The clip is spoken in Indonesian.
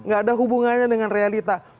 gak ada hubungannya dengan realita